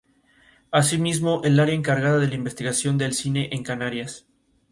Así mismo, es el área encargada de la investigación del cine en Canarias.